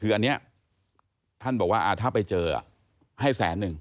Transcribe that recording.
คืออันนี้ท่านบอกว่าถ้าไปเจอให้แสนหนึ่ง